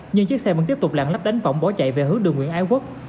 nhưng chiếc xe vẫn tiếp tục lạng lách đánh vỏng bỏ chạy về hướng đồng nguyễn ái quốc